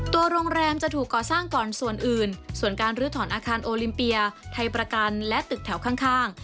โรงแรมจะถูกก่อสร้างก่อนส่วนอื่นส่วนการลื้อถอนอาคารโอลิมเปียไทยประกันและตึกแถวข้าง